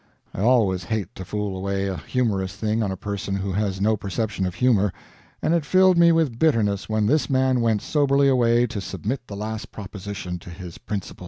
I always hate to fool away a humorous thing on a person who has no perception of humor; and it filled me with bitterness when this man went soberly away to submit the last proposition to his principal.